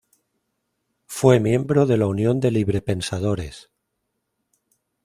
Fue miembro de la Unión de Librepensadores.